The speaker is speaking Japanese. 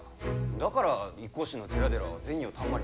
だから一向宗の寺々は銭をたんまり。